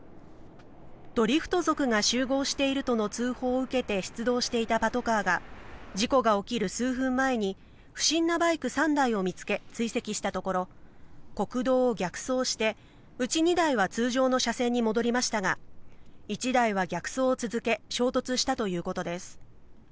ドリフト族が集合しているとの通報を受けて出動していたパトカーが、事故が起きる数分前に、不審なバイク３台を見つけ、追跡したところ、国道を逆走して、うち２台は通常の車線に戻りましたが、１台は逆走を続け、衝突したということです。